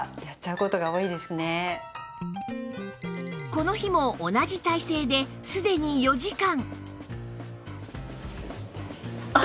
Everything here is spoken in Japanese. この日も同じ体勢ですでに４時間